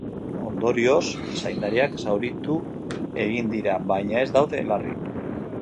Ondorioz, zaindariak zauritu egin dira, baina ez daude larri.